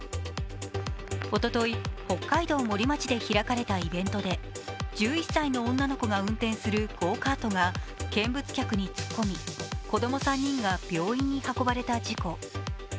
おととい、北海道森町で開かれたイベントで１１歳の女の子が運転するゴーカートが見物客に突っ込み、子供３人が病院に運ばれた事故。